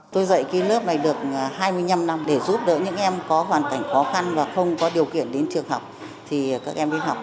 tôi dạy cái lớp này được hai mươi năm năm để giúp đỡ những em có hoàn cảnh khó khăn và không có điều kiện đến trường học thì các em đi học